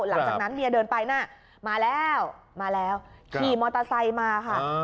หลังจากนั้นเมียเดินไปน่ะมาแล้วมาแล้วขี่มอเตอร์ไซค์มาค่ะ